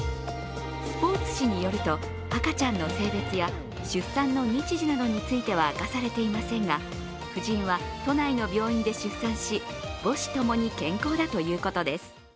スポーツ紙によると赤ちゃんの性別や出産の日時などについては明かされていませんが、夫人は都内の病院で出産し母子共に健康だということです。